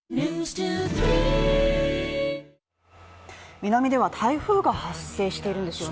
南では台風が発生しているんですよね。